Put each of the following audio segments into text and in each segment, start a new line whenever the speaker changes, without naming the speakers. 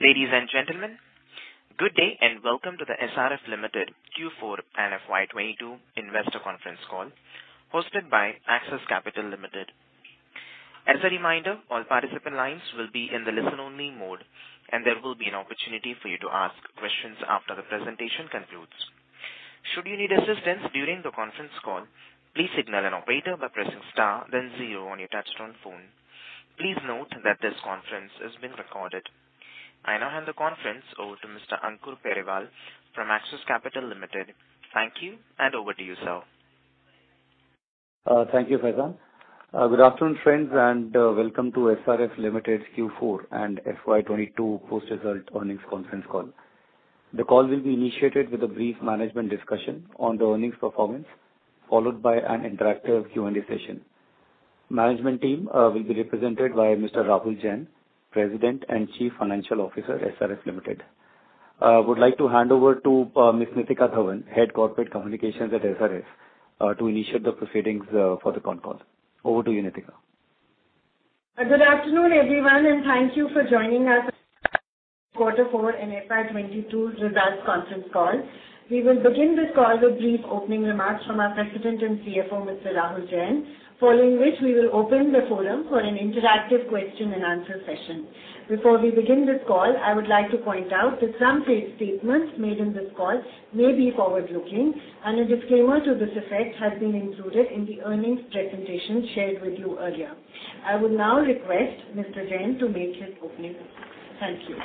Ladies and gentlemen, good day and welcome to the SRF Limited Q4 and FY 2022 Investor Conference Call hosted by Axis Capital Limited. As a reminder, all participant lines will be in the listen-only mode, and there will be an opportunity for you to ask questions after the presentation concludes. Should you need assistance during the conference call, please signal an operator by pressing star then zero on your touchtone phone. Please note that this conference is being recorded. I now hand the conference over to Mr. Ankur Periwal from Axis Capital Limited. Thank you and over to you, sir.
Thank you, Faizan. Good afternoon, friends, and welcome to SRF Limited Q4 and FY 2022 post-result earnings conference call. The call will be initiated with a brief management discussion on the earnings performance, followed by an interactive Q&A session. Management team will be represented by Mr. Rahul Jain, President and Chief Financial Officer, SRF Limited. I would like to hand over to Ms. Nitika Dhawan, Head Corporate Communications at SRF, to initiate the proceedings for the con call. Over to you, Nitika.
Good afternoon, everyone, and thank you for joining us quarter four and FY 2022 results conference call. We will begin this call with brief opening remarks from our President and CFO, Mr. Rahul Jain. Following which we will open the forum for an interactive question-and-answer session. Before we begin this call, I would like to point out that some statements made in this call may be forward-looking, and a disclaimer to this effect has been included in the earnings presentation shared with you earlier. I will now request Mr. Jain to make his opening remarks. Thank you.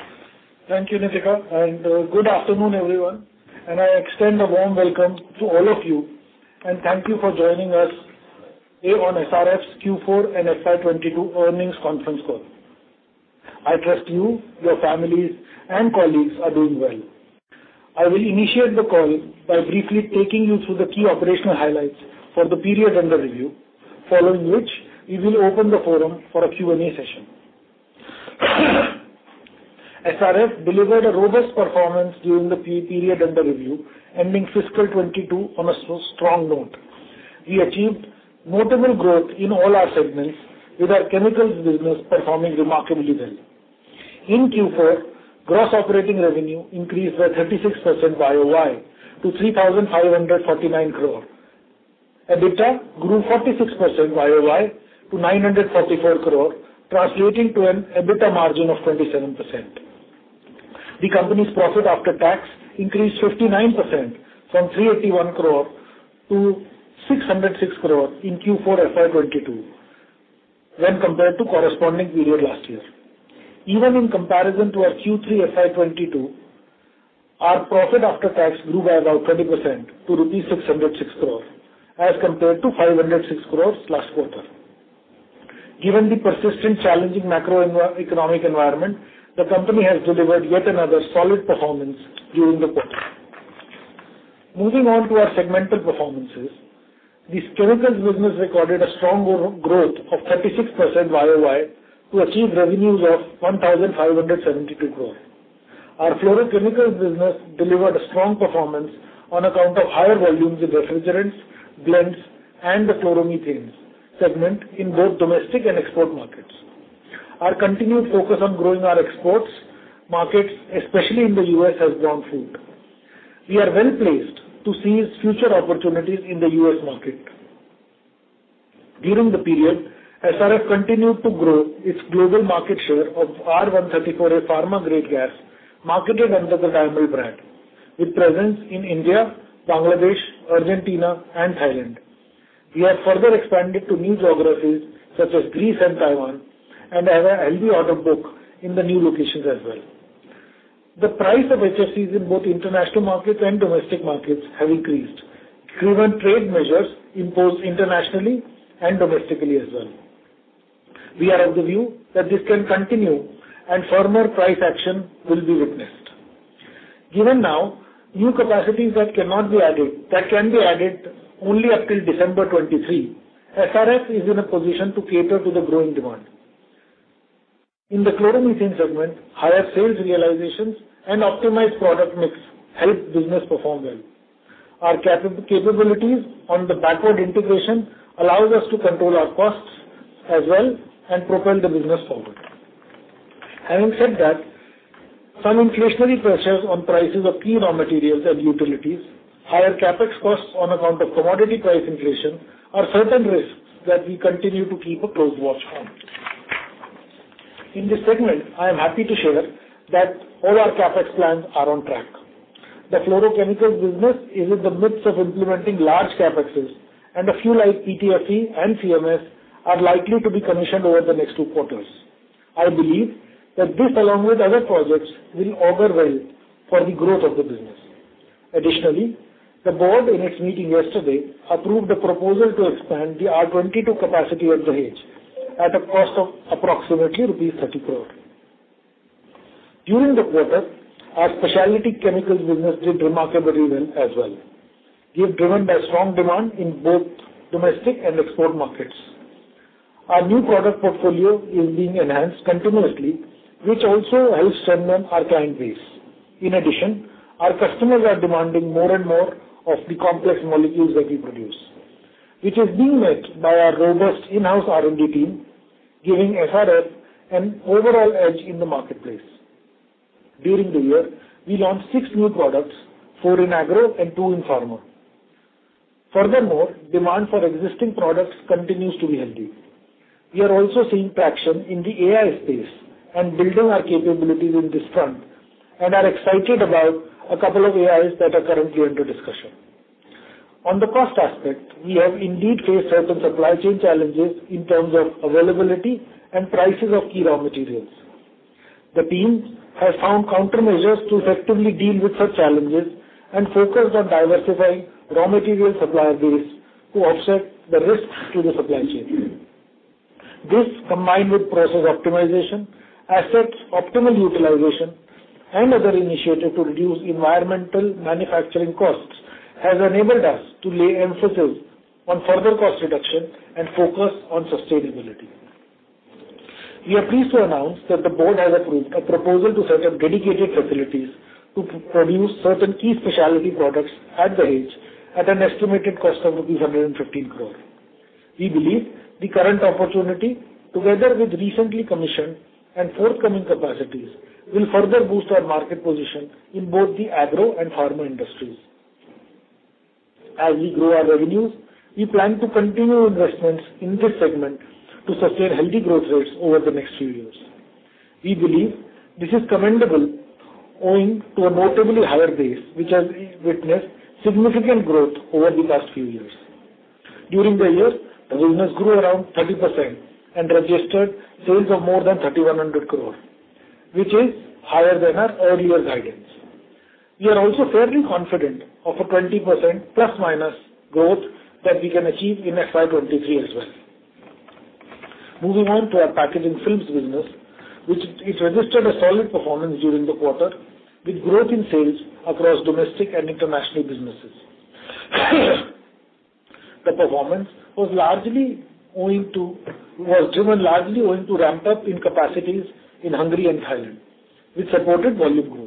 Thank you, Nitika, and good afternoon, everyone. I extend a warm welcome to all of you and thank you for joining us here on SRF's Q4 and FY 2022 earnings conference call. I trust you, your families, and colleagues are doing well. I will initiate the call by briefly taking you through the key operational highlights for the period under review, following which we will open the forum for a Q&A session. SRF delivered a robust performance during the period under review, ending fiscal 2022 on a strong note. We achieved notable growth in all our segments, with our chemicals business performing remarkably well. In Q4, gross operating revenue increased by 36% Y-O-Y to 3,549 crore. EBITDA grew 46% Y-O-Y to 944 crore, translating to an EBITDA margin of 27%. The company's profit after tax increased 59% from 381 crore to 606 crore in Q4 FY 2022 when compared to corresponding period last year. Even in comparison to our Q3 FY 2022, our profit after tax grew by about 20% to rupees 606 crore as compared to 506 crore last quarter. Given the persistent challenging macro economic environment, the company has delivered yet another solid performance during the quarter. Moving on to our segmental performances. This chemicals business recorded a strong growth of 36% Y-O-Y to achieve revenues of 1,572 crore. Our fluorochemicals business delivered a strong performance on account of higher volumes of refrigerants, blends, and the chloromethanes segment in both domestic and export markets. Our continued focus on growing our exports markets, especially in the U.S., has borne fruit. We are well-placed to seize future opportunities in the U.S. market. During the period, SRF continued to grow its global market share of R-134a pharma grade gas, marketed under the FLORON brand, with presence in India, Bangladesh, Argentina, and Thailand. We have further expanded to new geographies such as Greece and Taiwan and have a healthy order book in the new locations as well. The price of HFCs in both international markets and domestic markets have increased given trade measures imposed internationally and domestically as well. We are of the view that this can continue and further price action will be witnessed. Given the new capacities that cannot be added, that can be added only up till December 2023, SRF is in a position to cater to the growing demand. In the chloromethanes segment, higher sales realizations and optimized product mix helped business perform well. Our capabilities on the backward integration allows us to control our costs as well and propel the business forward. Having said that, some inflationary pressures on prices of key raw materials and utilities, higher CapEx costs on account of commodity price inflation are certain risks that we continue to keep a close watch on. In this segment, I am happy to share that all our CapEx plans are on track. The fluorochemicals business is in the midst of implementing large CapEx, and a few like ETFE and CMS are likely to be commissioned over the next two quarters. I believe that this, along with other projects, will augur well for the growth of the business. Additionally, the board in its meeting yesterday approved a proposal to expand the R22 capacity at Dahej at a cost of approximately INR 30 crore. During the quarter, our Specialty Chemicals business did remarkably well as well. We're driven by strong demand in both domestic and export markets. Our new product portfolio is being enhanced continuously, which also helps cement our client base. In addition, our customers are demanding more and more of the complex molecules that we produce. Which is being met by our robust in-house R&D team, giving SRF an overall edge in the marketplace. During the year, we launched six new products, four in agro and two in pharma. Furthermore, demand for existing products continues to be healthy. We are also seeing traction in the AI space and building our capabilities in this front, and are excited about a couple of AIs that are currently under discussion. On the cost aspect, we have indeed faced certain supply chain challenges in terms of availability and prices of key raw materials. The team has found countermeasures to effectively deal with such challenges, and focused on diversifying raw material supplier base to offset the risks to the supply chain. This, combined with process optimization, assets optimal utilization, and other initiatives to reduce environmental manufacturing costs, has enabled us to lay emphasis on further cost reduction and focus on sustainability. We are pleased to announce that the board has approved a proposal to set up dedicated facilities to produce certain key specialty products at Dahej at an estimated cost of 115 crore. We believe the current opportunity, together with recently commissioned and forthcoming capacities, will further boost our market position in both the agro and pharma industries. As we grow our revenues, we plan to continue investments in this segment to sustain healthy growth rates over the next few years. We believe this is commendable owing to a notably higher base, which has witnessed significant growth over the last few years. During the year, the business grew around 30% and registered sales of more than 3,100 crore, which is higher than our earlier guidance. We are also fairly confident of a 20% ± growth that we can achieve in FY 2023 as well. Moving on to our packaging films business, which it registered a solid performance during the quarter with growth in sales across domestic and international businesses. The performance was driven largely owing to ramp up in capacities in Hungary and Thailand, which supported volume growth.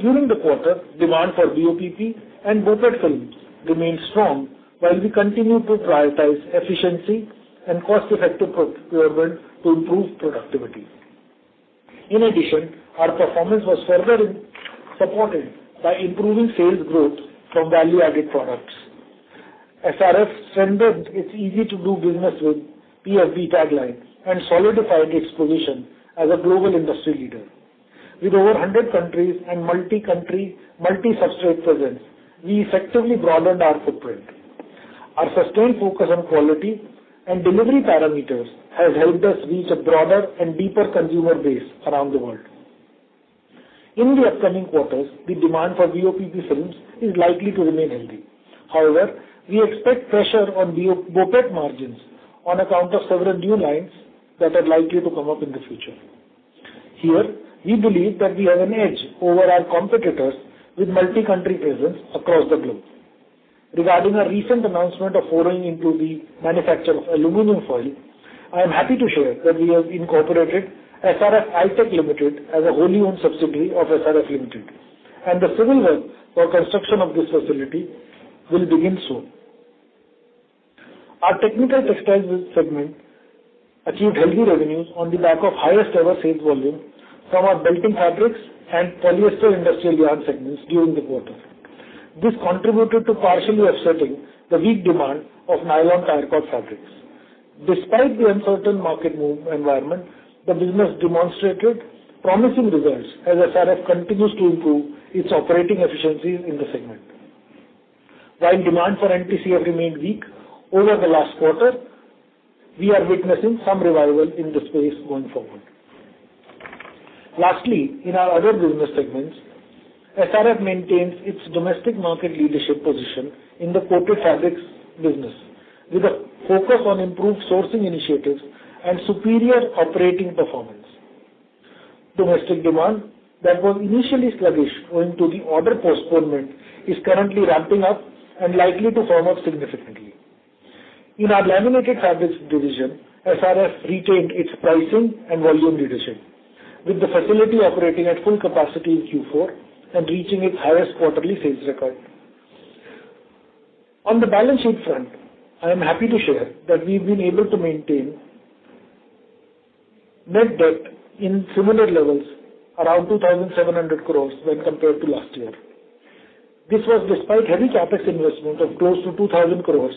During the quarter, demand for BOPP and BOPET films remained strong while we continued to prioritize efficiency and cost-effective proper procurement to improve productivity. In addition, our performance was further supported by improving sales growth from value-added products. SRF strengthened its easy-to-do business with PFB tagline and solidified its position as a global industry leader. With over a hundred countries and multi-country, multi-substrate presence, we effectively broadened our footprint. Our sustained focus on quality and delivery parameters has helped us reach a broader and deeper consumer base around the world. In the upcoming quarters, the demand for BOPP films is likely to remain healthy. However, we expect pressure on BOPET margins on account of several new lines that are likely to come up in the future. Here, we believe that we have an edge over our competitors with multi-country presence across the globe. Regarding our recent announcement of foraying into the manufacture of aluminum foil, I am happy to share that we have incorporated SRF Altech Limited as a wholly-owned subsidiary of SRF Limited, and the civil work for construction of this facility will begin soon. Our technical textiles segment achieved healthy revenues on the back of highest ever sales volume from our belting fabrics and polyester industrial yarn segments during the quarter. This contributed to partially offsetting the weak demand of nylon tire cord fabrics. Despite the uncertain market move environment, the business demonstrated promising results as SRF continues to improve its operating efficiencies in the segment. While demand for NTCF have remained weak over the last quarter, we are witnessing some revival in this space going forward. Lastly, in our other business segments, SRF maintains its domestic market leadership position in the coated fabrics business with a focus on improved sourcing initiatives and superior operating performance. Domestic demand that was initially sluggish owing to the order postponement is currently ramping up and likely to firm up significantly. In our laminated fabrics division, SRF retained its pricing and volume leadership, with the facility operating at full capacity in Q4 and reaching its highest quarterly sales record. On the balance sheet front, I am happy to share that we've been able to maintain net debt in similar levels, around 2,700 crore when compared to last year. This was despite heavy CapEx investment of close to 2,000 crore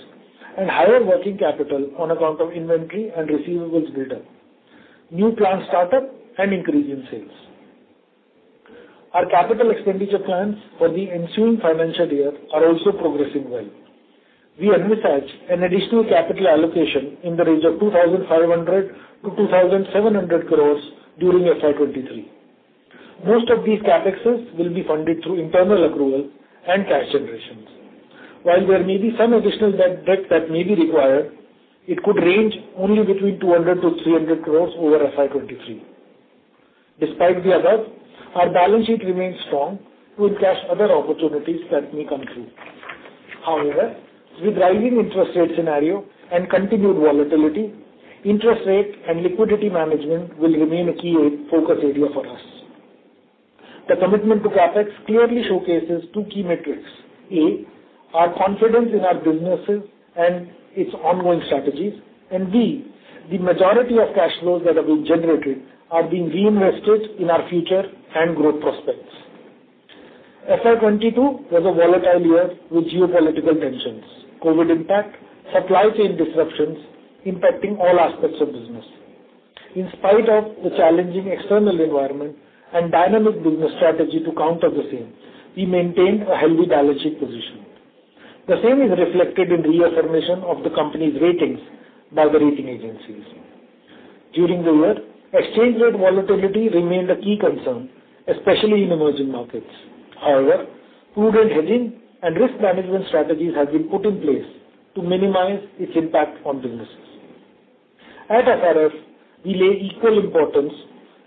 and higher working capital on account of inventory and receivables build-up, new plant startup and increase in sales. Our capital expenditure plans for the ensuing financial year are also progressing well. We envisage an additional capital allocation in the range of 2,500 crore-2,700 crore during FY 2023. Most of these CapExes will be funded through internal accrual and cash generation. While there may be some additional net debt that may be required, it could range only between 200 crore-300 crore over FY 2023. Despite the above, our balance sheet remains strong to encash other opportunities that may come through. However, with rising interest rate scenario and continued volatility, interest rate and liquidity management will remain a key area of focus for us. The commitment to CapEx clearly showcases two key metrics. A, our confidence in our businesses and its ongoing strategies. B, the majority of cash flows that have been generated are being reinvested in our future and growth prospects. FY 2022 was a volatile year with geopolitical tensions, COVID impact, supply chain disruptions impacting all aspects of business. In spite of the challenging external environment and dynamic business strategy to counter the same, we maintained a healthy balance sheet position. The same is reflected in reaffirmation of the company's ratings by the rating agencies. During the year, exchange rate volatility remained a key concern, especially in emerging markets. However, prudent hedging and risk management strategies have been put in place to minimize its impact on businesses. At SRF, we lay equal importance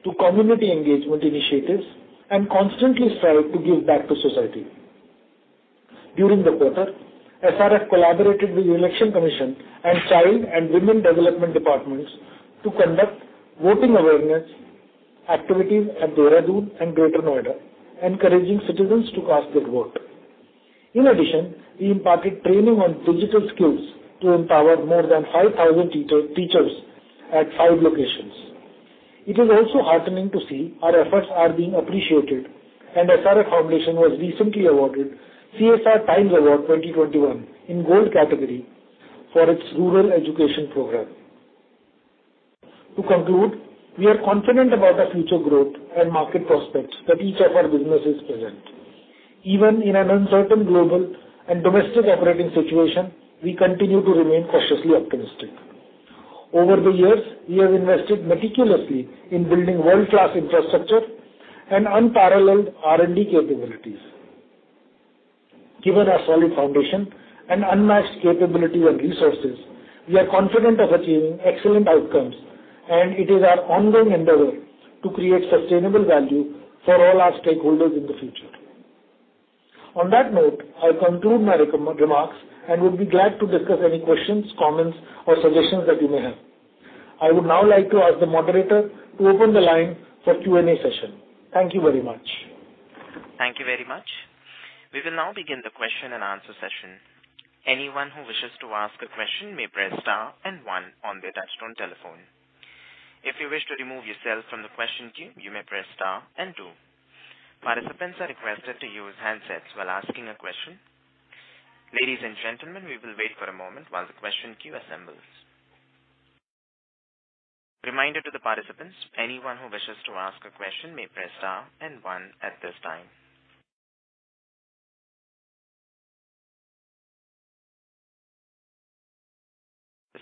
to community engagement initiatives and constantly strive to give back to society. During the quarter, SRF collaborated with Election Commission and Child and Women Development departments to conduct voting awareness activities at Dehradun and Greater Noida, encouraging citizens to cast their vote. In addition, we imparted training on digital skills to empower more than 5,000 teachers at five locations. It is also heartening to see our efforts are being appreciated, and SRF Foundation was recently awarded CSR Times Award 2021 in Gold category for its rural education program. To conclude, we are confident about our future growth and market prospects that each of our businesses present. Even in an uncertain global and domestic operating situation, we continue to remain cautiously optimistic. Over the years, we have invested meticulously in building world-class infrastructure and unparalleled R&D capabilities. Given our solid foundation and unmatched capability and resources, we are confident of achieving excellent outcomes, and it is our ongoing endeavor to create sustainable value for all our stakeholders in the future. On that note, I'll conclude my remarks, and would be glad to discuss any questions, comments or suggestions that you may have. I would now like to ask the moderator to open the line for Q&A session. Thank you very much.
Thank you very much. We will now begin the question-and-answer session. Anyone who wishes to ask a question may press star and one on their touch-tone telephone. If you wish to remove yourself from the question queue, you may press star and two. Participants are requested to use handsets while asking a question. Ladies and gentlemen, we will wait for a moment while the question queue assembles. Reminder to the participants, anyone who wishes to ask a question may press star and one at this time.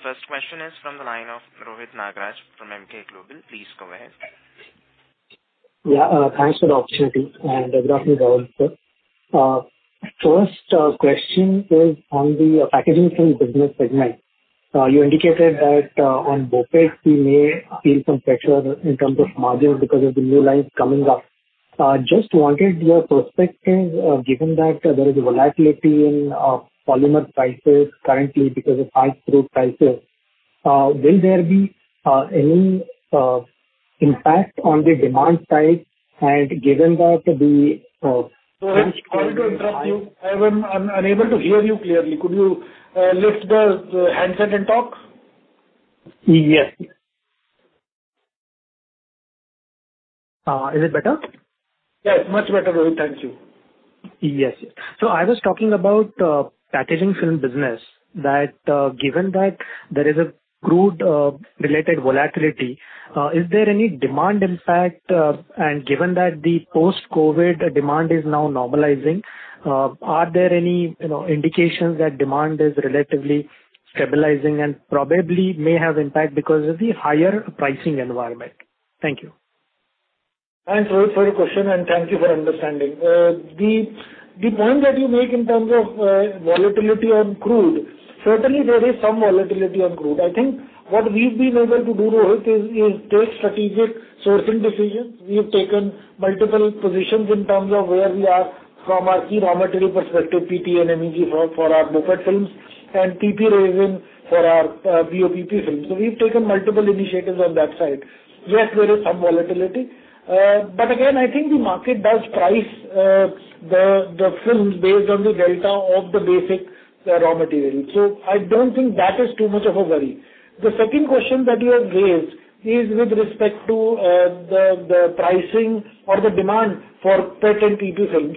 The first question is from the line of Rohit Nagraj from Emkay Global. Please go ahead.
Yeah, thanks for the opportunity, and good afternoon to all. First question is on the packaging film business segment. You indicated that, on BOPET, we may feel some pressure in terms of margins because of the new lines coming up. Just wanted your perspective, given that there is volatility in polymer prices currently because of high crude prices, will there be any impact on the demand side? Given that the.
Sorry to interrupt you. I am unable to hear you clearly. Could you lift the handset and talk?
Yes. Is it better?
Yes, much better, Rohit. Thank you.
Yes. I was talking about packaging film business, that given that there is a crude related volatility, is there any demand impact? Given that the post-COVID demand is now normalizing, are there any, you know, indications that demand is relatively stabilizing and probably may have impact because of the higher pricing environment? Thank you.
Thanks, Rohit, for your question and thank you for understanding. The point that you make in terms of volatility on crude, certainly there is some volatility on crude. I think what we've been able to do, Rohit, is take strategic sourcing decisions. We have taken multiple positions in terms of where we are from our key raw material perspective, PTA and MEG for our BOPET films and PP resin for our BOPP films. We've taken multiple initiatives on that side. Yes, there is some volatility. Again, I think the market does price the films based on the delta of the basic raw material. I don't think that is too much of a worry. The second question that you have raised is with respect to the pricing or the demand for PET and PP films.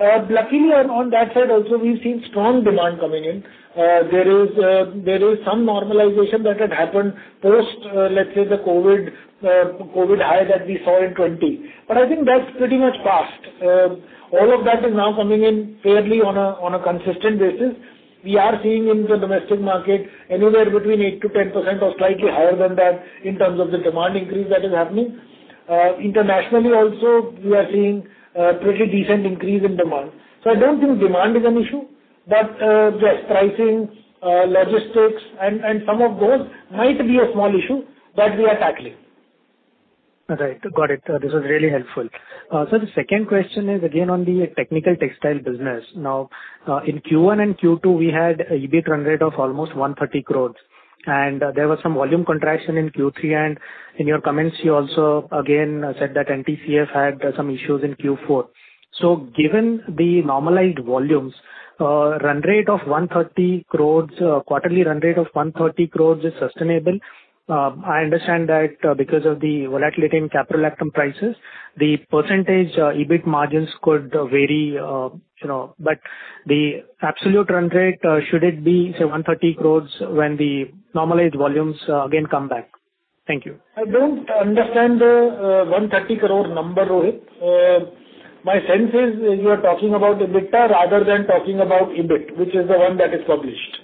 Luckily on that side also we've seen strong demand coming in. There is some normalization that had happened post, let's say the COVID high that we saw in 2020. I think that's pretty much passed. All of that is now coming in fairly on a consistent basis. We are seeing in the domestic market anywhere between 8%-10% or slightly higher than that in terms of the demand increase that is happening. Internationally also we are seeing a pretty decent increase in demand. I don't think demand is an issue. Yes, pricing, logistics and some of those might be a small issue, but we are tackling.
All right. Got it. This is really helpful. The second question is again on the technical textile business. Now, in Q1 and Q2, we had an EBIT run rate of almost 130 crores. There was some volume contraction in Q3. In your comments, you also again said that NTCF had some issues in Q4. Given the normalized volumes, run rate of 130 crores, quarterly run rate of 130 crores is sustainable. I understand that because of the volatility in caprolactam prices, the percentage, EBIT margins could vary, you know, but the absolute run rate, should it be, say 130 crores when the normalized volumes again come back? Thank you.
I don't understand the 130 crore number, Rohit. My sense is you are talking about the EBITDA rather than talking about EBIT, which is the one that is published.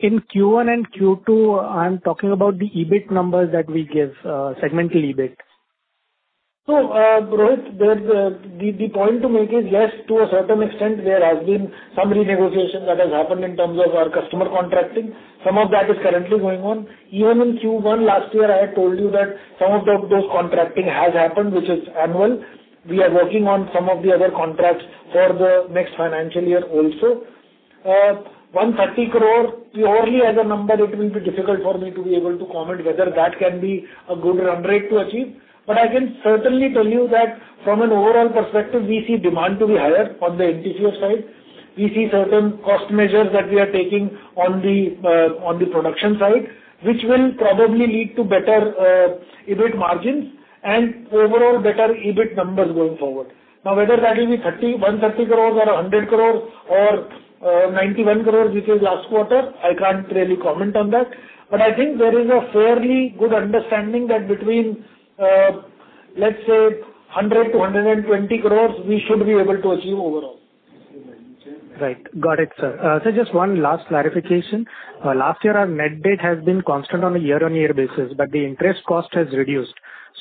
In Q1 and Q2, I'm talking about the EBIT numbers that we give, segmental EBIT.
Rohit Nagraj, the point to make is, yes, to a certain extent there has been some renegotiation that has happened in terms of our customer contracting. Some of that is currently going on. Even in Q1 last year, I had told you that some of those contracting has happened, which is annual. We are working on some of the other contracts for the next financial year also. 130 crore, purely as a number, it will be difficult for me to be able to comment whether that can be a good run rate to achieve. But I can certainly tell you that from an overall perspective, we see demand to be higher on the NTCF side. We see certain cost measures that we are taking on the production side, which will probably lead to better EBIT margins and overall better EBIT numbers going forward. Now, whether that will be 30 crore, 130 crore or 100 crore or 91 crore, which is last quarter, I can't really comment on that. I think there is a fairly good understanding that between, let's say 100 crore-120 crore we should be able to achieve overall.
Right. Got it, sir. Just one last clarification. Last year our net debt has been constant on a year-on-year basis, but the interest cost has reduced.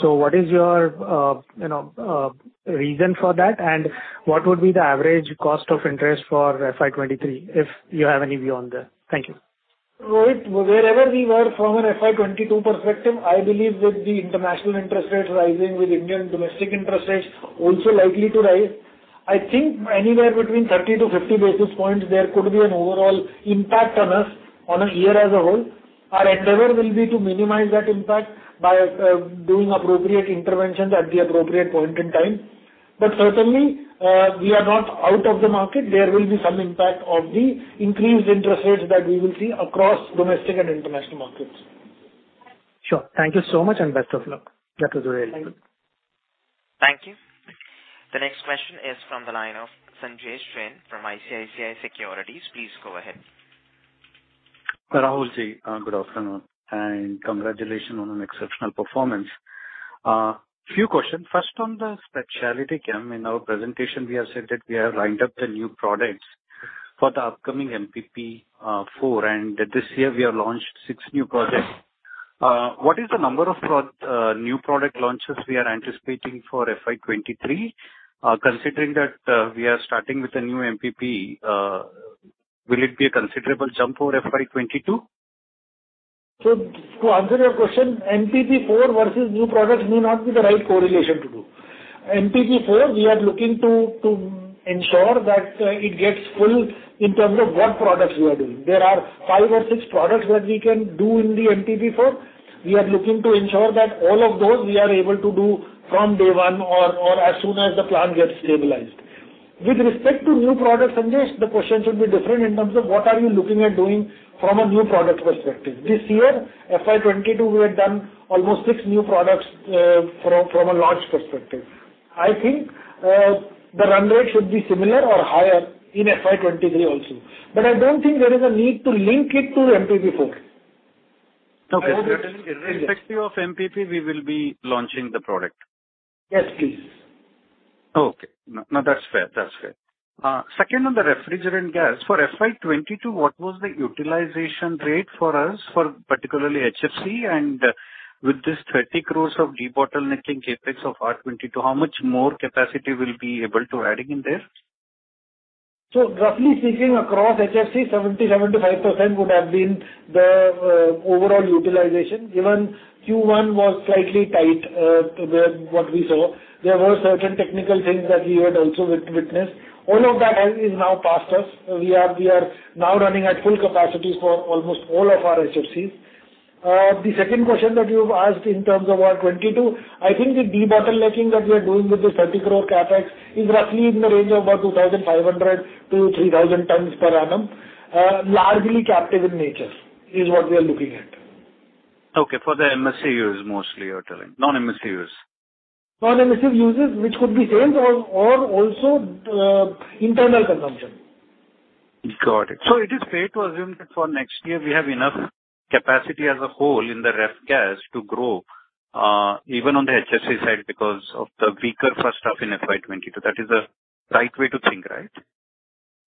What is your, you know, reason for that? And what would be the average cost of interest for FY 2023, if you have any view on that? Thank you.
Rohit, wherever we were from an FY 2022 perspective, I believe with the international interest rates rising, with Indian domestic interest rates also likely to rise, I think anywhere between 30 basis points-50 basis points there could be an overall impact on us on a year as a whole. Our endeavor will be to minimize that impact by doing appropriate interventions at the appropriate point in time. Certainly, we are not out of the market. There will be some impact of the increased interest rates that we will see across domestic and international markets.
Sure. Thank you so much and best of luck. That was really good.
Thank you.
Thank you. The next question is from the line of Sanjesh Jain from ICICI Securities. Please go ahead.
Rahul Jain, good afternoon and congratulations on an exceptional performance. Few questions. First, on the specialty chem, in our presentation we have said that we have lined up the new products for the upcoming MPP4, and this year we have launched six new projects. What is the number of new product launches we are anticipating for FY 2023? Considering that we are starting with a new MPP, will it be a considerable jump over FY 2022?
To answer your question, MPP4 versus new products may not be the right correlation to do. MPP4, we are looking to ensure that it gets full in terms of what products we are doing. There are five or six products that we can do in the MPP4. We are looking to ensure that all of those we are able to do from day one or as soon as the plant gets stabilized. With respect to new products, Sanjesh, the question should be different in terms of what are you looking at doing from a new product perspective. This year, FY 2022, we have done almost six new products from a launch perspective. I think the run rate should be similar or higher in FY 2023 also. I don't think there is a need to link it to MPP4.
Okay. Irrespective of MPP, we will be launching the product.
Yes, please.
Okay. No, that's fair. That's fair. Second, on the refrigerant gas, for FY 2022, what was the utilization rate for us for particularly HFC? With this 30 crores of debottlenecking CapEx of R22, how much more capacity we'll be able to adding in there?
Roughly speaking, across HFC, 77%-85% would have been the overall utilization. Even Q1 was slightly tight to what we saw. There were certain technical things that we had also witnessed. All of that is now past us. We are now running at full capacity for almost all of our HFCs. The second question that you've asked in terms of R22, I think the debottlenecking that we are doing with this 30 crore CapEx is roughly in the range of about 2,500 tons-3,000 tons per annum, largely captive in nature, is what we are looking at.
Okay. For the MSC use mostly you're telling, non-MSC use.
Non-MSC uses, which could be same or also internal consumption.
Got it. It is fair to assume that for next year we have enough capacity as a whole in the ref gas to grow, even on the HFC side because of the weaker first half in FY 2022. That is the right way to think, right?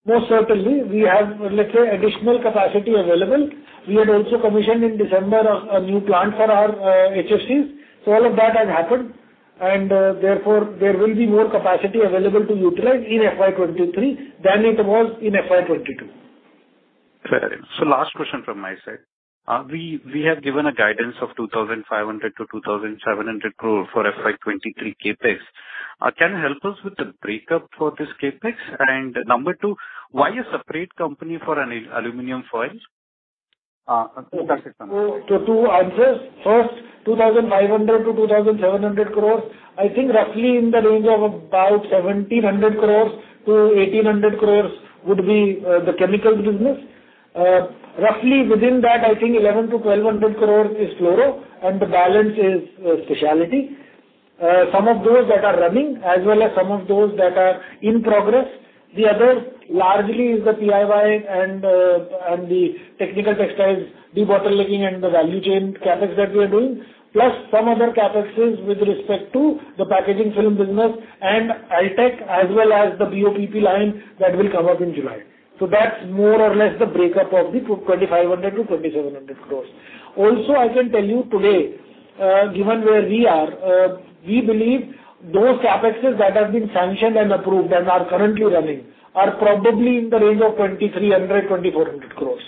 Most certainly. We have, let's say, additional capacity available. We had also commissioned in December a new plant for our HFCs. All of that has happened. Therefore, there will be more capacity available to utilize in FY 2023 than it was in FY 2022.
Fair enough. Last question from my side. We have given a guidance of 2,500 crore-2,700 crore for FY 2023 CapEx. Can you help us with the breakup for this CapEx? Number two, why a separate company for Altech?
To address first 2,500 crore-2,700 crore, I think roughly in the range of about 1,700 crore-1,800 crore would be the chemicals business. Roughly within that, I think 1,100 crore-1,200 crore is fluoro, and the balance is specialty. Some of those that are running as well as some of those that are in progress. The other largely is the PIY and the technical textiles, the belting and the value chain CapEx that we are doing, plus some other CapExes with respect to the packaging film business and Altech as well as the BOPP line that will come up in July. That's more or less the breakup of the 2,500 crore-2,700 crore. Also, I can tell you today, given where we are, we believe those CapExes that have been sanctioned and approved and are currently running are probably in the range of 2,300 crores-2,400 crores.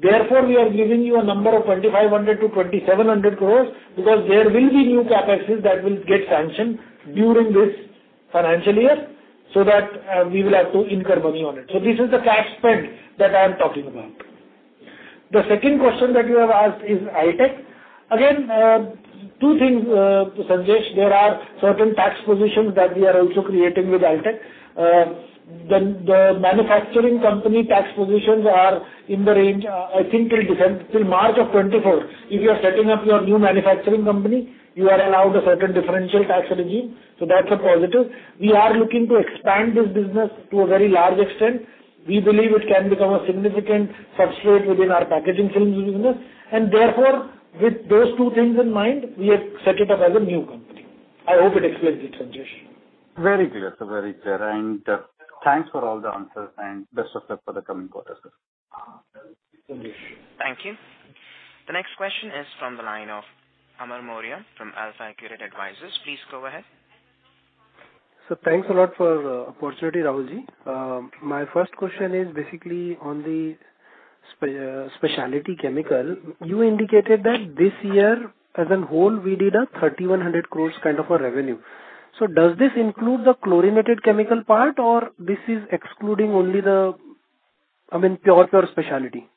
Therefore, we are giving you a number of 2,500 crores- 2,700 crores because there will be new CapExes that will get sanctioned during this financial year, so that, we will have to incur money on it. This is the cash spend that I am talking about. The second question that you have asked is Altech. Again, two things, Sanjesh. There are certain tax positions that we are also creating with Altech. The manufacturing company tax positions are in the range, I think till December, till March of 2024. If you are setting up your new manufacturing company, you are allowed a certain differential tax regime, so that's a positive. We are looking to expand this business to a very large extent. We believe it can become a significant substrate within our packaging film business. Therefore, with those two things in mind, we have set it up as a new company. I hope it explains it, Sanjesh.
Very clear, sir. Very clear. Thanks for all the answers and best of luck for the coming quarter, sir.
Thank you.
Thank you. The next question is from the line of Amar Mourya from AlfAccurate Advisors. Please go ahead.
Sir, thanks a lot for the opportunity, Rahul Jain. My first question is basically on the specialty chemical. You indicated that this year as a whole we did 3,100 crores kind of a revenue. Does this include the chlorinated chemical part, or this is excluding only the, pure specialty?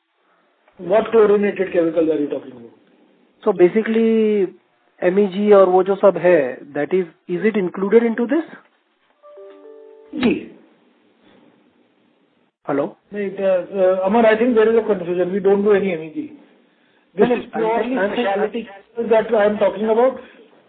What chlorinated chemical are you talking about?
Basically, MEG or
That is it included into this?
Jain. Hello?
No, Amar, I think there is a confusion. We don't do any MEG. This is purely Specialty Chemicals that I'm talking about.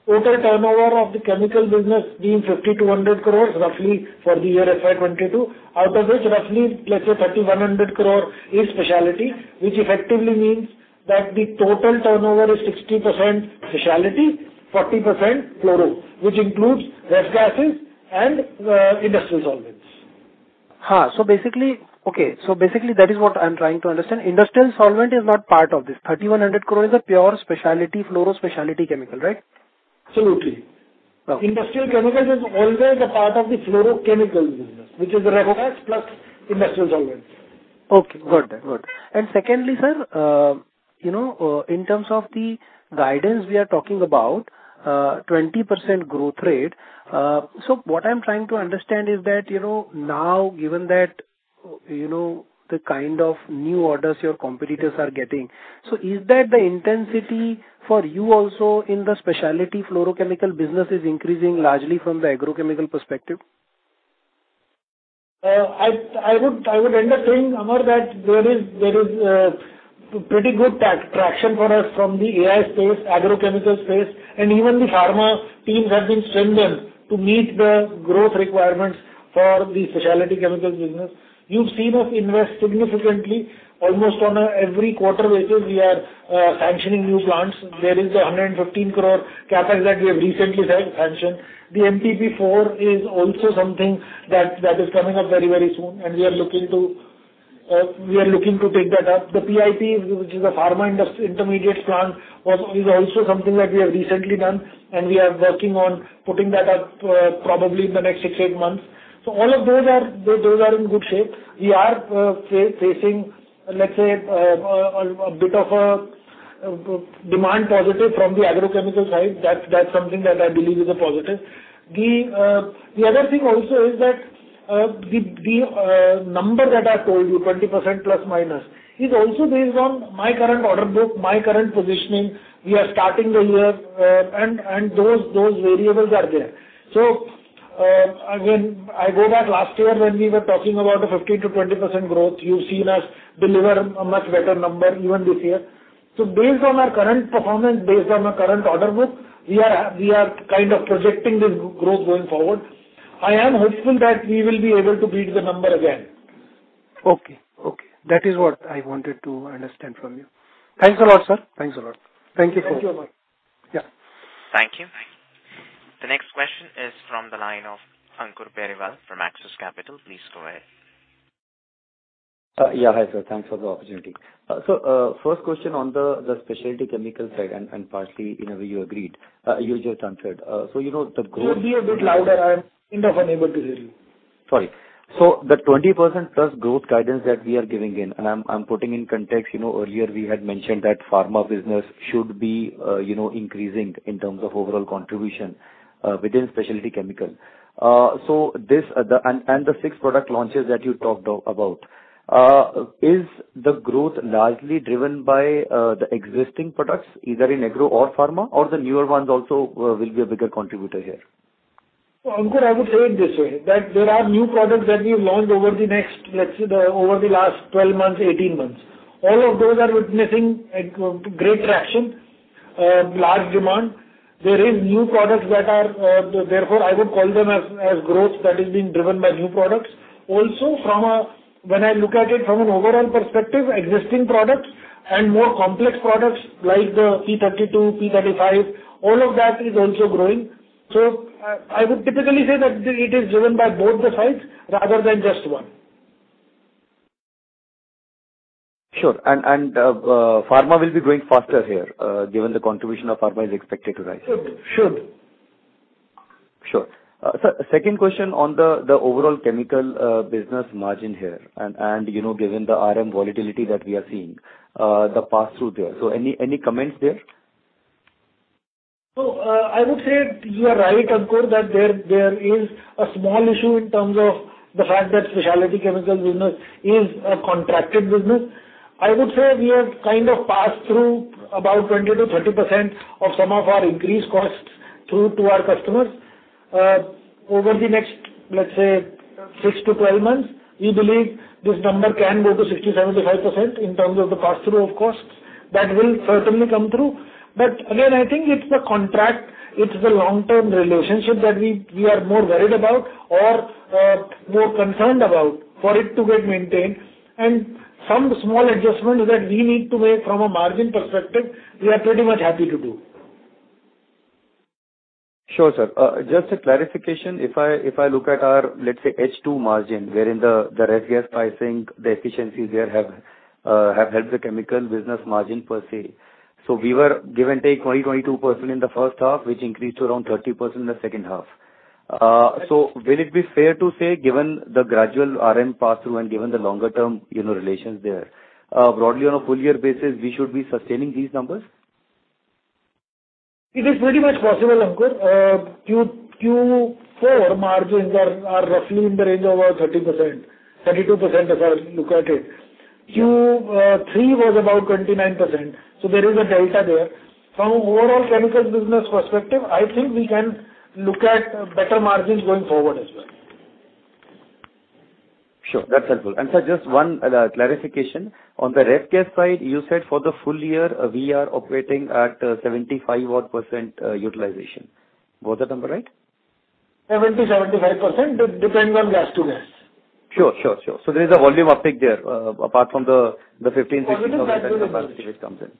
Total turnover of the chemical business being 5,200 crores roughly for the year FY 2022, out of which roughly, let's say 3,100 crore is Specialty, which effectively means that the total turnover is 60% Specialty, 40% Fluorochemicals, which includes refrigerant gases and industrial solvents.
Basically that is what I'm trying to understand. Industrial solvent is not part of this. 3,100 crore is a pure specialty, fluoro specialty chemical, right?
Absolutely.
Okay.
Industrial chemical is always a part of the Fluorochemical business, which is the ref gas plus industrial solvents.
Okay, got that. Got it. Secondly, sir, you know, in terms of the guidance we are talking about, 20% growth rate. What I'm trying to understand is that, you know, now given that, you know, the kind of new orders your competitors are getting, so is that the intensity for you also in the specialty fluorochemical business is increasing largely from the agrochemical perspective?
I would end up saying, Amar, that there is pretty good traction for us from the AI space, agrochemical space, and even the pharma teams have been strengthened to meet the growth requirements for the Specialty Chemicals business. You've seen us invest significantly. Almost every quarter, we are sanctioning new plants. There is 115 crore CapEx that we have recently sanctioned. The MPP4 is also something that is coming up very soon, and we are looking to take that up. The PIP, which is a pharma intermediate plant, is also something that we have recently done, and we are working on putting that up, probably in the next six to eight months. All of those are in good shape. We are facing, let's say, a bit of a demand positive from the agrochemical side. That's something that I believe is a positive. The other thing also is that, the number that I told you, 20% plus minus, is also based on my current order book, my current positioning. We are starting the year, and those variables are there. Again, I go back last year when we were talking about a 15%-20% growth. You've seen us deliver a much better number even this year. Based on our current performance, based on our current order book, we are kind of projecting this growth going forward. I am hopeful that we will be able to beat the number again.
Okay. Okay. That is what I wanted to understand from you. Thanks a lot, sir. Thanks a lot. Thank you.
Thank you.
Yeah.
Thank you. The next question is from the line of Ankur Periwal from Axis Capital. Please go ahead.
Yeah. Hi, sir. Thanks for the opportunity. First question on the Specialty Chemicals side and partly, you know, you agreed, you just answered. You know the growth.
Could you be a bit louder? I'm kind of unable to hear you.
Sorry. The 20%+ growth guidance that we are giving in, and I'm putting in context, you know, earlier we had mentioned that pharma business should be, you know, increasing in terms of overall contribution, within Specialty Chemicals. And the six product launches that you talked about, is the growth largely driven by the existing products, either in agro or pharma, or the newer ones also will be a bigger contributor here?
Well, Ankur, I would say it this way, that there are new products that we've launched over the last 12 months, 18 months. All of those are witnessing a great traction, large demand. There are new products that are, therefore I would call them as growth that is being driven by new products. Also from a perspective. When I look at it from an overall perspective, existing products and more complex products like the P32, P35, all of that is also growing. I would typically say that it is driven by both the sides rather than just one.
Sure. Pharma will be growing faster here, given the contribution of pharma is expected to rise.
Should.
Sure. Sir, second question on the overall chemical business margin here and you know, given the RM volatility that we are seeing, the pass-through there. Any comments there?
I would say you are right, Ankur, that there is a small issue in terms of the fact that Specialty Chemicals business is a contracted business. I would say we have kind of passed through about 20%-30% of some of our increased costs through to our customers. Over the next, let's say, 6-12 months, we believe this number can go to 60%-75% in terms of the pass-through of costs. That will certainly come through. Again, I think it's the contract, it's the long-term relationship that we are more worried about or, more concerned about for it to get maintained. Some small adjustments that we need to make from a margin perspective, we are pretty much happy to do.
Sure, sir. Just a clarification. If I look at our, let's say, H2 margin, wherein the ref gas pricing, the efficiencies there have helped the chemical business margin per se. We were give or take 20%-22% in the first half, which increased to around 30% in the second half. Will it be fair to say, given the gradual RM pass-through and given the longer term, you know, relations there, broadly on a full year basis, we should be sustaining these numbers?
It is pretty much possible, Ankur. Q4 margins are roughly in the range of 30%-32% as I look at it. Q3 was about 29%, so there is a delta there. From overall chemicals business perspective, I think we can look at better margins going forward as well.
Sure. That's helpful. Sir, just one clarification. On the ref gas side, you said for the full year, we are operating at 75-odd% utilization. Got that number right?
70%-75% depending on gas to gas.
Sure. There is a volume uptick there, apart from the 15%.
Positive
Capacity which comes in.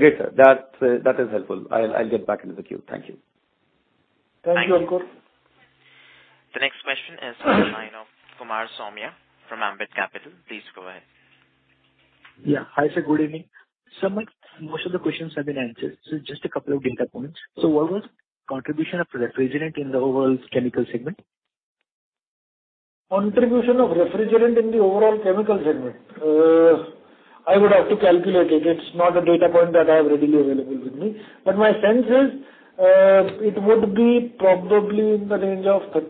Great, sir. That's, that is helpful. I'll get back into the queue. Thank you.
Thank you, Ankur.
The next question is from the line of Kumar Saumya from Ambit Capital. Please go ahead.
Yeah. Hi, sir. Good evening. Somewhat, most of the questions have been answered, so just a couple of data points. What was contribution of refrigerant in the overall chemical segment?
Contribution of refrigerant in the overall chemical segment? I would have to calculate it. It's not a data point that I have readily available with me. My sense is, it would be probably around 1,400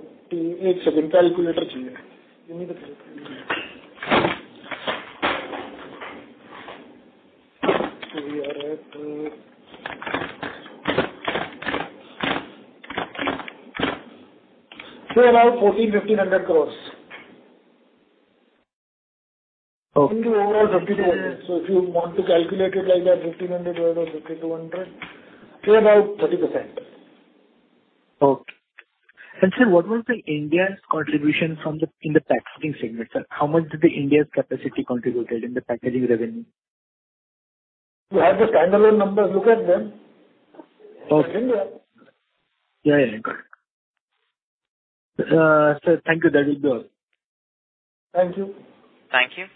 crore-1,500 crore.
Okay.
Into overall 3,200. If you want to calculate it like that, 1,500 divided by 3,200, say about 30%.
Okay. Sir, what was India's contribution from the, in the packaging segment, sir? How much did India's capacity contributed in the packaging revenue?
You have the standalone numbers, look at them.
Okay.
It's in there.
Yeah, yeah. Got it. Sir, thank you. That is all.
Thank you.
Thank you.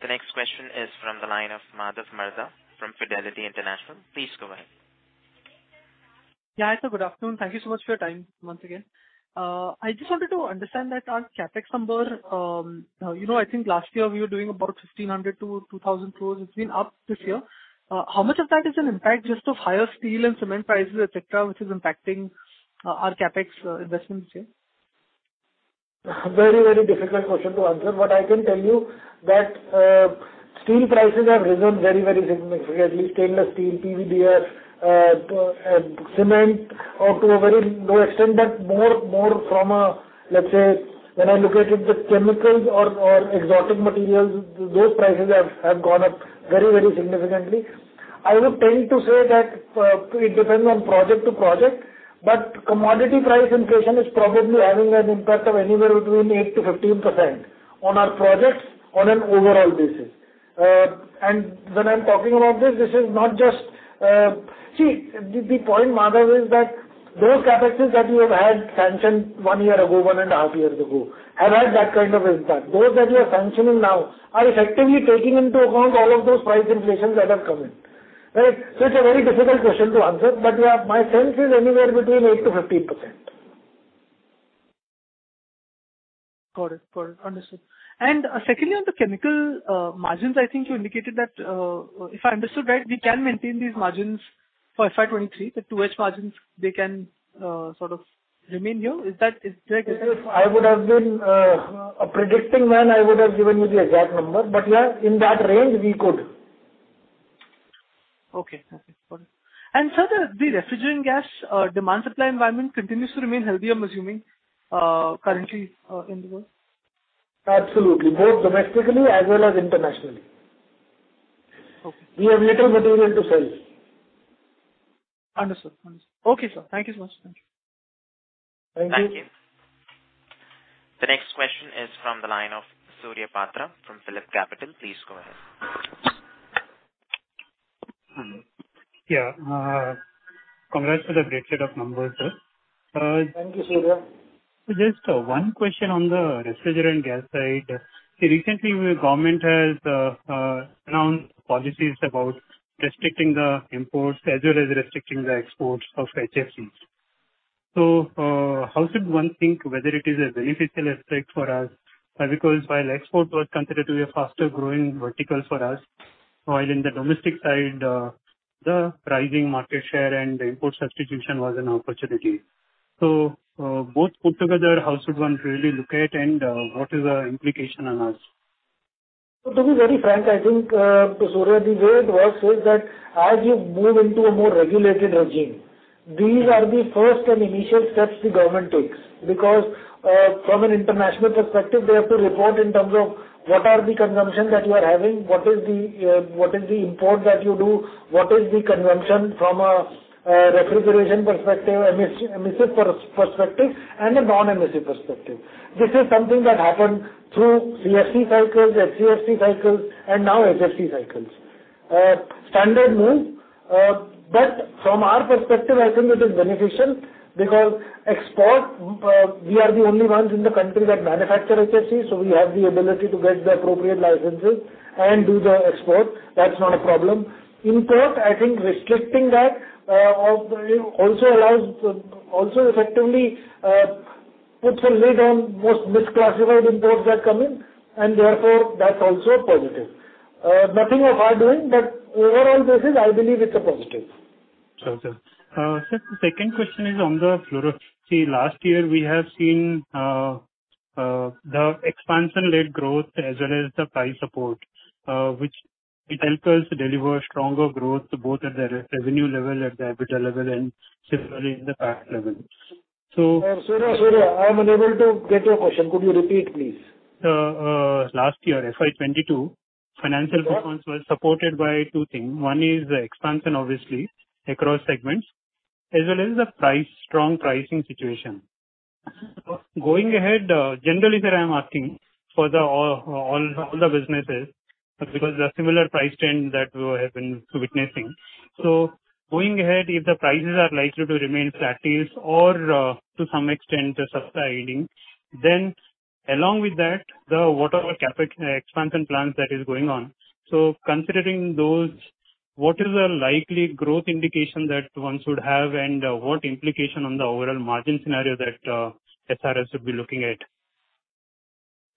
The next question is from the line of Madhav Marda from Fidelity International. Please go ahead.
Yeah. Hi, sir. Good afternoon. Thank you so much for your time once again. I just wanted to understand that our CapEx number, you know, I think last year we were doing about 1,500 crore-2,000 crore. It's been up this year. How much of that is an impact just of higher steel and cement prices, et cetera, which is impacting our CapEx investments here?
Very, very difficult question to answer. What I can tell you that steel prices have risen very, very significantly. Stainless steel, PBDs, cement to a very low extent, but more from a, let's say, when I look at it, the chemicals or exotic materials, those prices have gone up very, very significantly. I would tend to say that it depends on project to project, but commodity price inflation is probably having an impact of anywhere between 8%-15% on our projects on an overall basis. When I'm talking about this is not just. See, the point, Madhav, is that those CapExes that we have had sanctioned one year ago, one and a half years ago, have had that kind of impact. Those that we are sanctioning now are effectively taking into account all of those price inflations that have come in. Right. It's a very difficult question to answer, but, yeah, my sense is anywhere between 8%-15%.
Got it. Understood. Secondly, on the chemical margins, I think you indicated that if I understood right, we can maintain these margins for FY 2023. The 2H margins, they can sort of remain here.
If I would have been a predicting man, I would have given you the exact number, but yeah, in that range we could.
Okay. Got it. Sir, the refrigerant gas demand supply environment continues to remain healthy, I'm assuming, currently, in the world.
Absolutely. Both domestically as well as internationally.
Okay.
We have little material to sell.
Understood. Okay, sir. Thank you so much.
Thank you.
Thank you. The next question is from the line of Surya Patra from PhillipCapital. Please go ahead.
Yeah. Congrats for the great set of numbers, sir.
Thank you, Surya.
Just, one question on the refrigerant gas side. Recently your government has announced policies about restricting the imports as well as restricting the exports of HFCs. How should one think whether it is a beneficial effect for us? Because while export was considered to be a faster growing vertical for us, while in the domestic side, the rising market share and the import substitution was an opportunity. Both put together, how should one really look at and, what is the implication on us?
To be very frank, I think, Surya, the way it works is that as you move into a more regulated regime, these are the first and initial steps the government takes. Because, from an international perspective, they have to report in terms of what are the consumption that you are having, what is the import that you do, what is the consumption from a refrigeration perspective, emission perspective, and a non-emission perspective. This is something that happened through CFC cycles, HCFC cycles, and now HFC cycles. Standard move. But from our perspective, I think it is beneficial because export, we are the only ones in the country that manufacture HFCs, so we have the ability to get the appropriate licenses and do the export. That's not a problem. In fact, I think restricting that Altech also allows also effectively puts a lid on most misclassified imports that come in, and therefore that's also a positive. Nothing of our doing, but overall basis, I believe it's a positive.
Sure, sir. The second question is on the fluorochemicals. See, last year we have seen the expansion-led growth as well as the price support, which it helped us deliver stronger growth both at the revenue level, at the EBITDA level, and similarly in the PAT levels.
Surya, I am unable to get your question. Could you repeat, please?
Last year, FY 2022, financial performance was supported by two things. One is the expansion, obviously, across segments, as well as the price, strong pricing situation. Going ahead, generally, sir, I'm asking for all the businesses, because the similar price trend that we have been witnessing. Going ahead, if the prices are likely to remain flat-ish or, to some extent, subsiding, then along with that, the whatever CapEx expansion plans that is going on. Considering those, what is the likely growth indication that one should have, and what implication on the overall margin scenario that SRF would be looking at?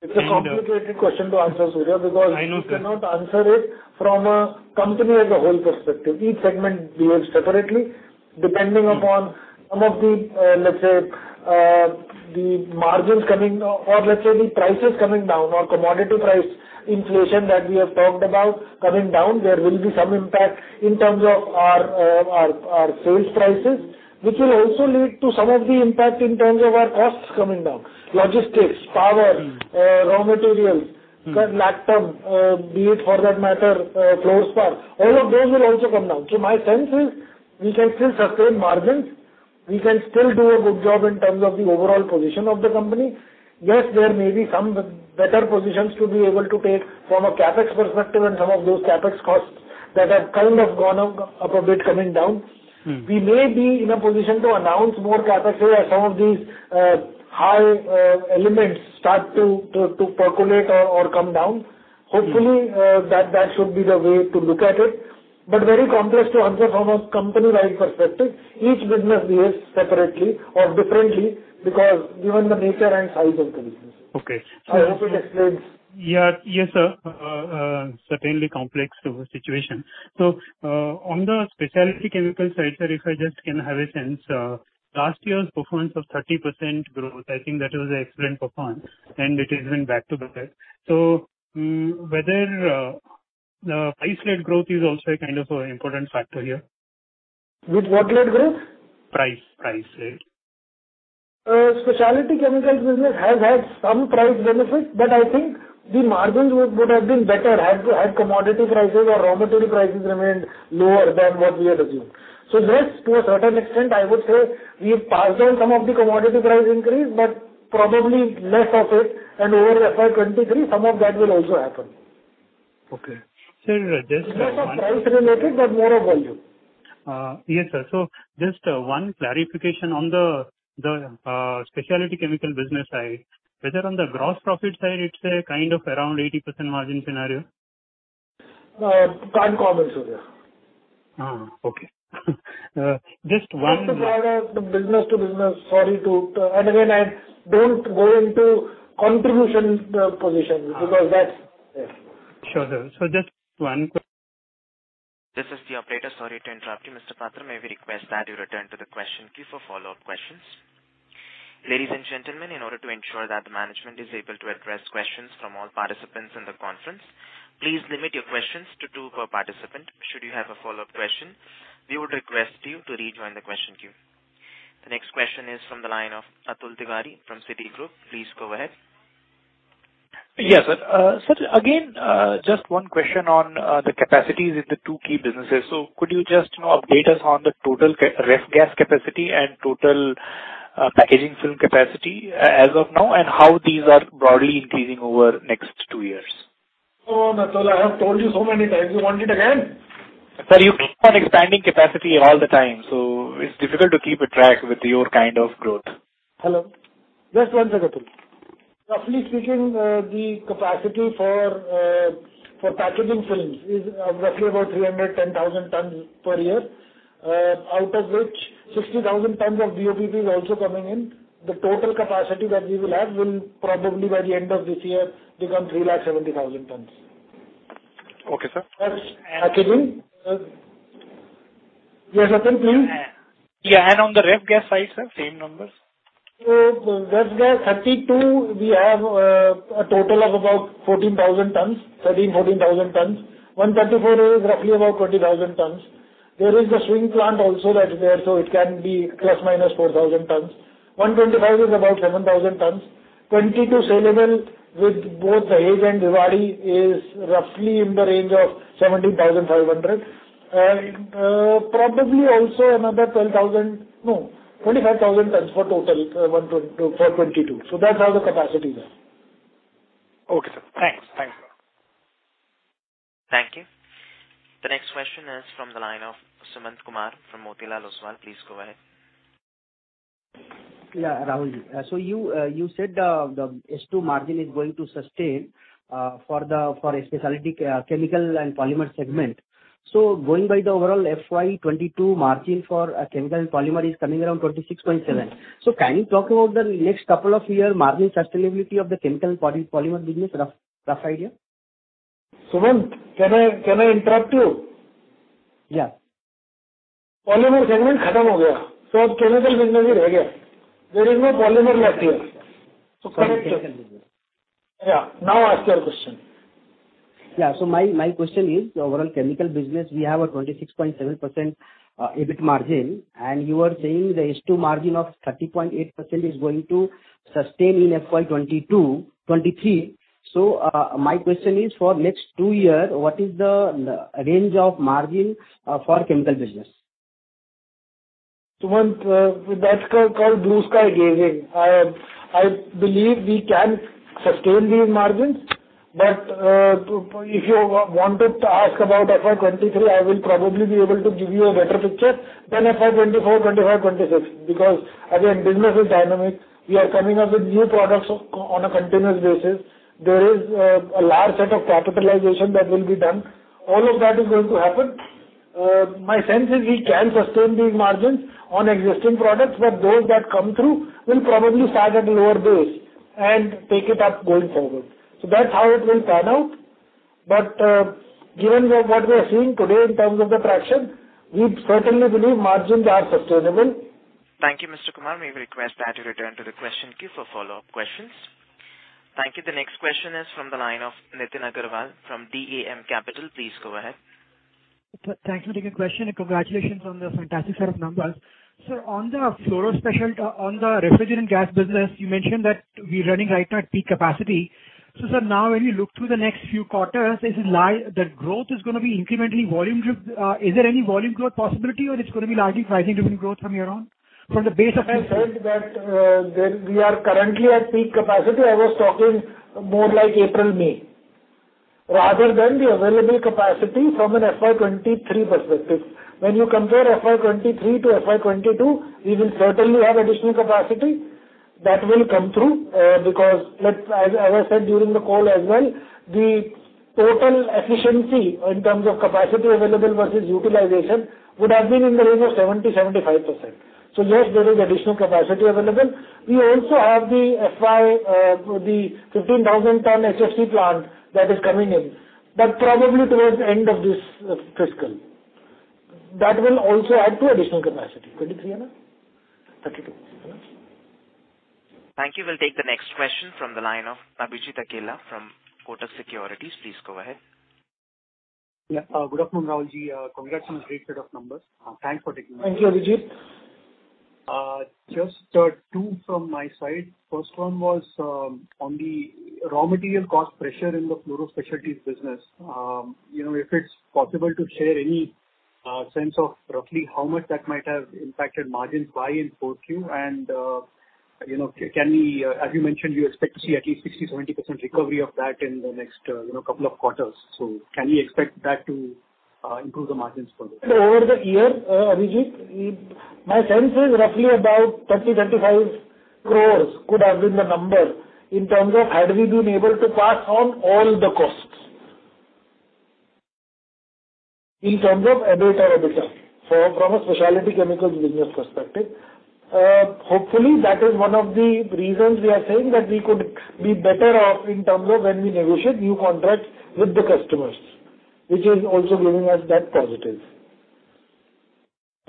It's a complicated question to answer, Surya.
I know, sir.
Because you cannot answer it from a company as a whole perspective. Each segment behaves separately depending upon some of the, let's say, the margins coming or let's say the prices coming down or commodity price inflation that we have talked about coming down, there will be some impact in terms of our sales prices, which will also lead to some of the impact in terms of our costs coming down. Logistics, power, raw materials, caprolactam, be it for that matter, fluorspar. All of those will also come down. My sense is we can still sustain margins. We can still do a good job in terms of the overall position of the company. Yes, there may be some better positions to be able to take from a CapEx perspective and some of those CapEx costs that have kind of gone up a bit coming down. We may be in a position to announce more CapEx as some of these high elements start to percolate or come down. Hopefully, that should be the way to look at it. Very complex to answer from a company-wide perspective. Each business behaves separately or differently because given the nature and size and conditions.
Okay.
I hope it explains.
Yeah. Yes, sir. Certainly complex situation. On the Specialty Chemicals side, sir, if I just can have a sense, last year's performance of 30% growth, I think that was an excellent performance and it has been back to back. Whether the price-led growth is also a kind of an important factor here.
With what led growth?
Price led.
Specialty Chemicals business has had some price benefits, but I think the margins would have been better had commodity prices or raw material prices remained lower than what we had assumed. Yes, to a certain extent, I would say we've passed on some of the commodity price increase, but probably less of it, and over FY 2023, some of that will also happen.
Okay. Sir, just one.
It's not price related, but more of volume.
Yes, sir. Just one clarification on the Specialty Chemicals business side. Whether on the gross profit side, it's kind of around 80% margin scenario.
Can't comment, Surya.
Okay. Just one.
Just a product business to business. Sorry to again, I don't go into contribution positions because that's. Yes.
Sure, sir. Just one question.
This is the operator. Sorry to interrupt you, Mr. Patra. May we request that you return to the question queue for follow-up questions. Ladies and gentlemen, in order to ensure that the management is able to address questions from all participants in the conference, please limit your questions to two per participant. Should you have a follow-up question, we would request you to rejoin the question queue. The next question is from the line of Atul Tiwari from Citigroup. Please go ahead.
Yes, sir. Just one question on the capacities in the two key businesses. Could you just update us on the total refrigerant gas capacity and total packaging film capacity as of now, and how these are broadly increasing over next two years?
Oh, Atul, I have told you so many times. You want it again?
Sir, you keep on expanding capacity all the time, so it's difficult to keep a track with your kind of growth.
Hello. Just one second. Roughly speaking, the capacity for packaging films is roughly about 310,000 tons per year, out of which 60,000 tons of BOPP is also coming in. The total capacity that we will have will probably by the end of this year become 370,000 tons.
Okay, sir.
That's packaging. Yes, Atul, please.
Yeah, on the ref gas side, sir, same numbers.
R32, we have a total of about 14,000 tons, 13,000 tons-14,000 tons. R134a is roughly about 20,000 tons. There is the swing plant also that's there, so it can be ±4,000 tons. R125 is about 7,000 tons. R22 saleable with both Hazira and Bhiwadi is roughly in the range of 17,500. Probably also another 25,000 tons for total for R22. That's how the capacity there.
Okay, sir. Thanks. Thanks.
Thank you. The next question is from the line of Sumant Kumar from Motilal Oswal. Please go ahead.
Yeah, Rahulji. You said the H2 margin is going to sustain for a specialty chemical and polymer segment. Going by the overall FY 2022 margin for chemical and polymer is coming around 26.7%. Can you talk about the next couple of year margin sustainability of the chemical and polymer business, rough idea?
Sumant, can I interrupt you?
Yeah.
Polymer segment. Chemical business is. There is no polymer left here. Correct your.
Sorry.
Yeah. Now ask your question.
My question is the overall chemical business, we have a 26.7% EBIT margin, and you are saying the H2 margin of 30.8% is going to sustain in FY 2022-2023. My question is, for next two year, what is the range of margin for chemical business?
Sumant, that's called blue sky gazing. I believe we can sustain these margins, but if you want to ask about FY 2023, I will probably be able to give you a better picture than FY 2024, 2025, 2026. Because again, business is dynamic. We are coming up with new products on a continuous basis. There is a large set of capitalization that will be done. All of that is going to happen. My sense is we can sustain these margins on existing products, but those that come through will probably start at lower base and take it up going forward. That's how it will pan out. Given what we are seeing today in terms of the traction, we certainly believe margins are sustainable.
Thank you, Mr. Kumar. May we request that you return to the question queue for follow-up questions. Thank you. The next question is from the line of Nitin Agarwal from DAM Capital. Please go ahead.
Thank you for taking the question and congratulations on the fantastic set of numbers. Sir, on the refrigerant gas business, you mentioned that we're running right at peak capacity. Sir, now when you look through the next few quarters, is the growth gonna be incrementally volume driven, or is there any volume growth possibility, or is it gonna be largely pricing-driven growth from here on?
From the base I said that, we are currently at peak capacity. I was talking more like April, May. Rather than the available capacity from an FY 2023 perspective. When you compare FY 2023-FY 2022, we will certainly have additional capacity that will come through, because as I said during the call as well, the total efficiency in terms of capacity available versus utilization would have been in the range of 70%-75%. So yes, there is additional capacity available. We also have the FY, the 15,000-ton HFC plant that is coming in, but probably towards the end of this fiscal. That will also add to additional capacity. 2023
Thirty-two.
Thirty-two.
Thank you. We'll take the next question from the line of Abhijit Akella from Kotak Securities. Please go ahead.
Yeah. Good afternoon, Rahul Jain. Congrats on great set of numbers. Thanks for taking.
Thank you, Abhijit.
Just two from my side. First one was on the raw material cost pressure in the fluoro specialties business. You know, if it's possible to share any sense of roughly how much that might have impacted margins in Q4.
You know, can we, as you mentioned, you expect to see at least 60%-70% recovery of that in the next, you know, couple of quarters. Can we expect that to improve the margins for this?
Over the year, Abhijit, my sense is roughly about 30 crore-35 crore could have been the number in terms of had we been able to pass on all the costs. In terms of EBITDA from a Specialty Chemicals business perspective. Hopefully that is one of the reasons we are saying that we could be better off in terms of when we negotiate new contracts with the customers, which is also giving us that positive.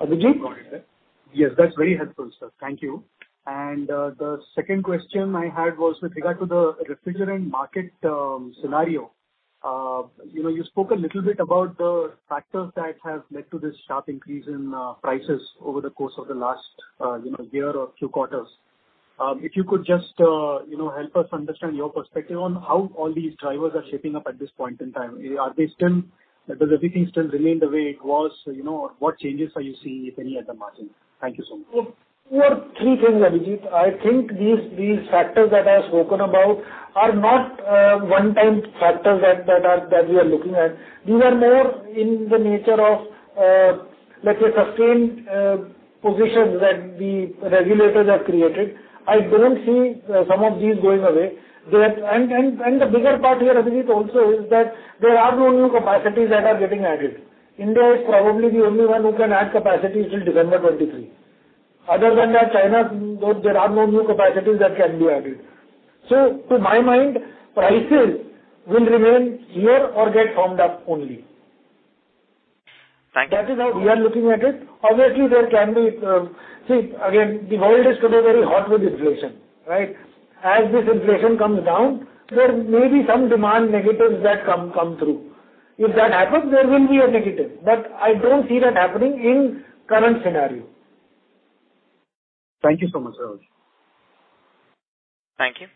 Abhijit?
Yes, that's very helpful, sir. Thank you. The second question I had was with regard to the refrigerant market scenario. You know, you spoke a little bit about the factors that have led to this sharp increase in prices over the course of the last, you know, year or two quarters. If you could just, you know, help us understand your perspective on how all these drivers are shaping up at this point in time. Are they still? Does everything still remain the way it was? You know, what changes are you seeing, if any, at the margin? Thank you so much.
For three things, Abhijit. I think these factors that I have spoken about are not one time factors that we are looking at. These are more in the nature of let's say sustained positions that the regulators have created. I don't see some of these going away. The bigger part here, Abhijit, also is that there are no new capacities that are getting added. India is probably the only one who can add capacities till December 2023. Other than that, China, there are no new capacities that can be added. To my mind, prices will remain here or get firmed up only.
Thank you.
That is how we are looking at it. Obviously, there can be. See again, the world is today very hot with inflation, right? As this inflation comes down, there may be some demand negatives that come through. If that happens, there will be a negative, but I don't see that happening in current scenario.
Thank you so much, Rahul.
Thank you.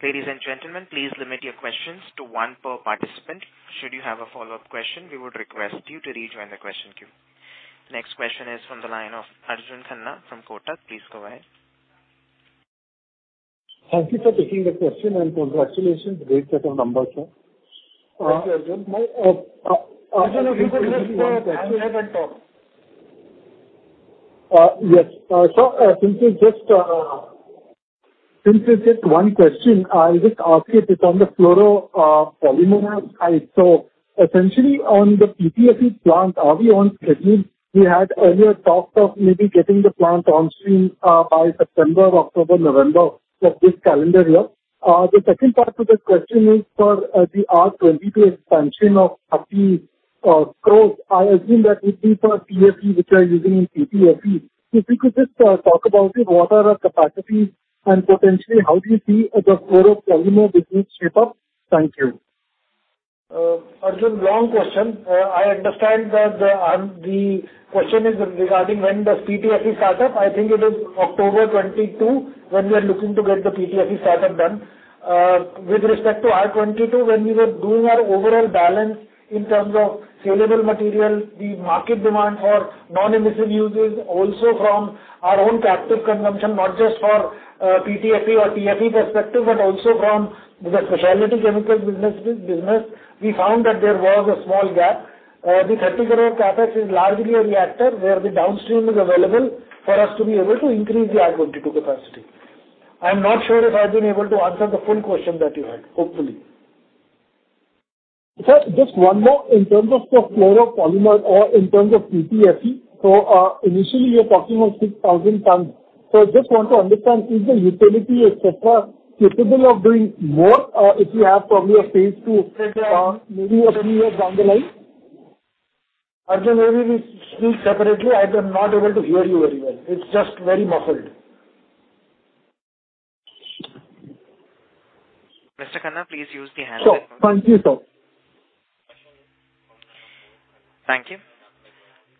Ladies and gentlemen, please limit your questions to one per participant. Should you have a follow-up question, we would request you to rejoin the question queue. Next question is from the line of Arjun Khanna from Kotak. Please go ahead.
Thank you for taking the question and congratulations. Great set of numbers, sir.
Thank you, Arjun. Arjun, if you could just unmute and talk.
Yes. Since it's just one question, I'll just ask it. It's on the fluoropolymer side. Essentially on the PTFE plant, are we on schedule? We had earlier talked of maybe getting the plant on stream by September, October, November of this calendar year. The second part to this question is for the R22 expansion of 30 crore. I assume that would be for TFE, which we're using in PTFE. If you could just talk about it, what are our capacities and potentially how do you see the fluoropolymer business shape up? Thank you.
Arjun, long question. I understand that the question is regarding when does PTFE start up. I think it is October 2022 when we are looking to get the PTFE start up done. With respect to R22, when we were doing our overall balance in terms of saleable material, the market demand for non-emissive uses also from our own captive consumption, not just for PTFE or TFE perspective, but also from the specialty chemicals business, we found that there was a small gap. The 30 crore CapEx is largely a reactor where the downstream is available for us to be able to increase the R22 capacity. I'm not sure if I've been able to answer the full question that you had. Hopefully.
Sir, just one more. In terms of the fluoropolymer or in terms of PTFE. Initially you are talking of 6,000 tons. I just want to understand, is the utility, et cetera, capable of doing more, if you have probably a phase two maybe or three years down the line?
Arjun, maybe we speak separately. I am not able to hear you very well. It's just very muffled.
Mr. Khanna, please use the handset.
Sir. Thank you, sir.
Thank you.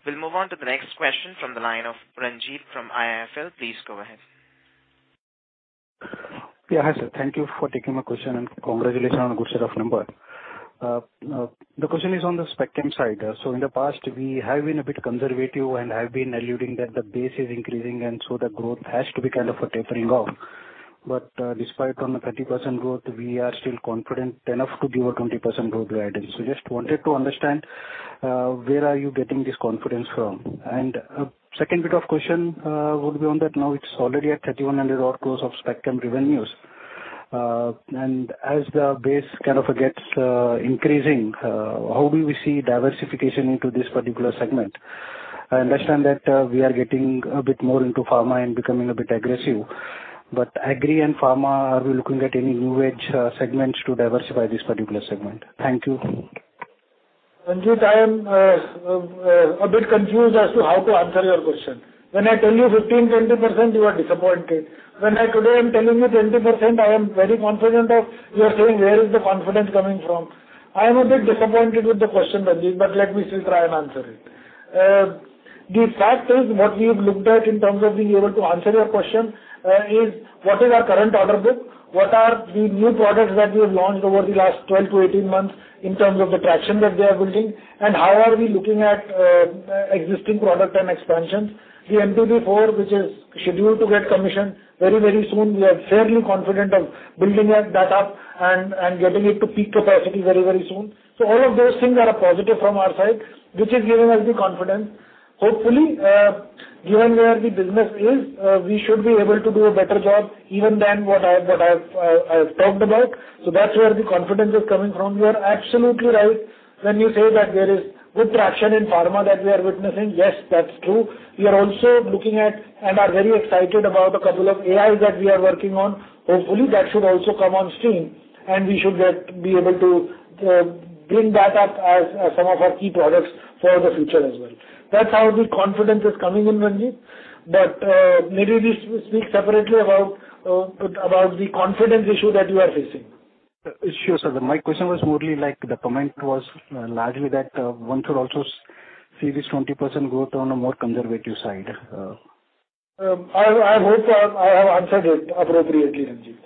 We'll move on to the next question from the line of Ranjit from IIFL. Please go ahead.
Yeah. Hi, sir. Thank you for taking my question and congratulations on a good set of numbers. The question is on the Specialty side. In the past, we have been a bit conservative and have been alluding that the base is increasing, and the growth has to be kind of tapering off. Despite the 30% growth, we are still confident enough to give a 20% growth guidance. Just wanted to understand where are you getting this confidence from? Second bit of question would be on that now it's already at 3,100 crore of Specialty revenues. As the base kind of gets increasing, how do we see diversification into this particular segment? I understand that we are getting a bit more into pharma and becoming a bit aggressive. Agri and pharma, are we looking at any new age segments to diversify this particular segment? Thank you.
Ranjit, I am a bit confused as to how to answer your question. When I tell you 15%-20%, you are disappointed. When today I'm telling you 20% I am very confident of, you are saying, "Where is the confidence coming from?" I am a bit disappointed with the question, Ranjit, but let me still try and answer it. The fact is what we've looked at in terms of being able to answer your question is what is our current order book? What are the new products that we have launched over the last 12-18 months in terms of the traction that they are building, and how are we looking at existing product and expansions? The MPP4, which is scheduled to get commissioned very, very soon. We are fairly confident of building that up and getting it to peak capacity very, very soon. All of those things are a positive from our side, which is giving us the confidence. Hopefully, given where the business is, we should be able to do a better job even than what I've talked about. That's where the confidence is coming from. You are absolutely right when you say that there is good traction in pharma that we are witnessing. Yes, that's true. We are also looking at and are very excited about a couple of AIs that we are working on. Hopefully, that should also come on stream and we should be able to bring that up as some of our key products for the future as well. That's how the confidence is coming in, Ranjit. Maybe we speak separately about the confidence issue that you are facing.
Sure, sir. My question was more like the comment was largely that, one should also see this 20% growth on a more conservative side.
I hope I have answered it appropriately, Ranjit.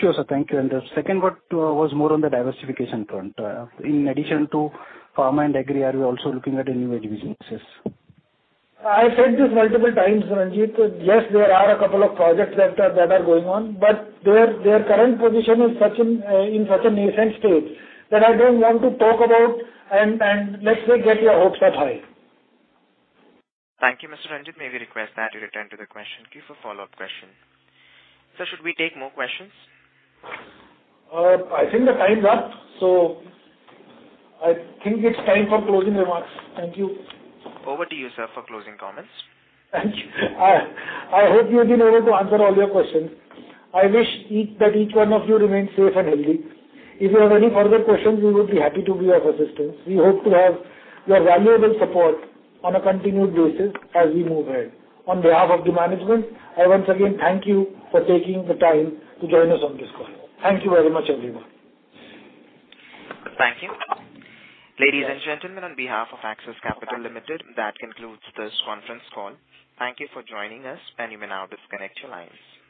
Sure, sir. Thank you. The second part was more on the diversification front. In addition to pharma and agri, are you also looking at any other businesses?
I said this multiple times, Ranjit. Yes, there are a couple of projects that are going on, but their current position is in such a nascent state that I don't want to talk about and let's say, get your hopes up high.
Thank you, Mr. Ranjit. May we request that you return to the question queue for follow-up question? Sir, should we take more questions?
I think the time's up, so I think it's time for closing remarks. Thank you.
Over to you, sir, for closing comments.
Thank you. I hope we've been able to answer all your questions. I wish each one of you remain safe and healthy. If you have any further questions, we would be happy to be of assistance. We hope to have your valuable support on a continued basis as we move ahead. On behalf of the management, I once again thank you for taking the time to join us on this call. Thank you very much, everyone.
Thank you. Ladies and gentlemen, on behalf of Axis Capital Limited, that concludes this conference call. Thank you for joining us and you may now disconnect your lines.